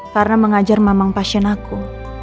karena mengajar mamang pasien aku